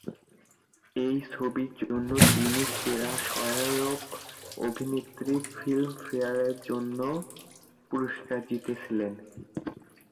এই ছবির জন্য তিনি সেরা সহায়ক অভিনেত্রী ফিল্মফেয়ার জন্য পুরস্কার জিতেছিলেন।